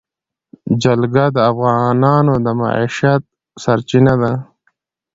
جلګه د افغانانو د معیشت سرچینه ده.